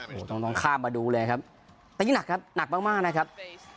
โอ้โหต้องข้ามมาดูเลยครับแต่นี่หนักครับหนักมากมากนะครับ